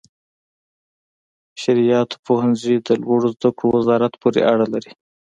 شرعیاتو پوهنځي د لوړو زده کړو وزارت پورې اړه لري.